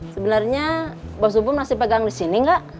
sebenarnya bos bubun masih pegang di sini nggak